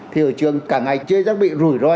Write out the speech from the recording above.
thì ở trường cả ngày chơi giác bị rủi roi